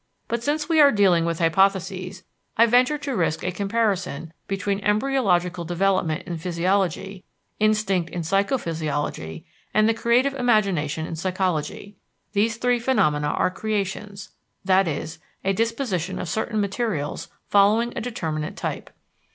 But, since we are dealing with hypotheses, I venture to risk a comparison between embryological development in physiology, instinct in psychophysiology, and the creative imagination in psychology. These three phenomena are creations, i.e., a disposition of certain materials following a determinate type.